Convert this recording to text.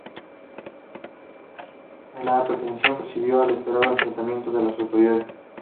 La petición precipitó el esperado enfrentamiento con las autoridades.